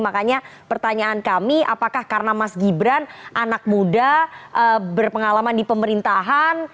makanya pertanyaan kami apakah karena mas gibran anak muda berpengalaman di pemerintahan